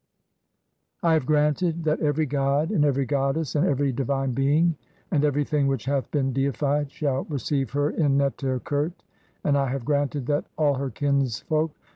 I have granted that "every god, and every goddess, and every divine "being, and every thing which hath been deified shall "receive her in Neter khert ; and I have granted that "all her kinsfolk